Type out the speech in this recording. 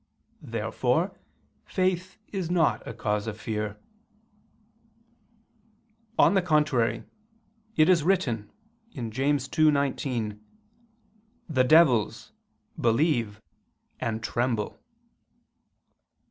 Therefore faith is not a cause of fear. On the contrary, It is written (James 2:19): "The devils ... believe and tremble."